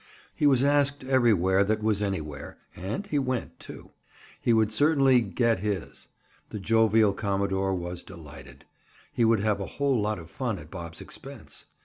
He was asked everywhere that was anywhere and he went, too. He would certainly "get his." The jovial commodore was delighted. He would have a whole lot of fun at Bob's expense.